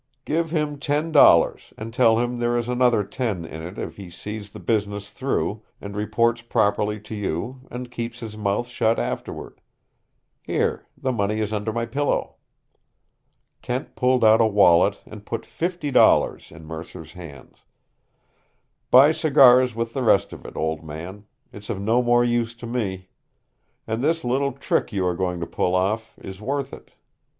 Give him ten dollars and tell him there is another ten in it if he sees the business through, and reports properly to you, and keeps his mouth shut afterward. Here the money is under my pillow." Kent pulled out a wallet and put fifty dollars in Mercer's hands. "Buy cigars with the rest of it, old man. It's of no more use to me. And this little trick you are going to pull off is worth it.